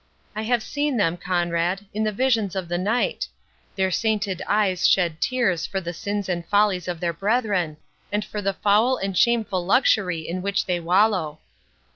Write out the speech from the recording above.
I have seen them, Conrade, in the visions of the night—their sainted eyes shed tears for the sins and follies of their brethren, and for the foul and shameful luxury in which they wallow.